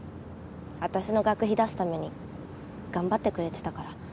私の学費出すために頑張ってくれてたから。